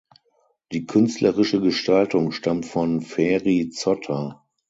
Die künstlerische Gestaltung stammt von Feri Zotter.